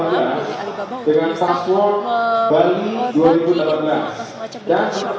jadi alibaba memiliki alibaba untuk membagi informasi secara cek belakang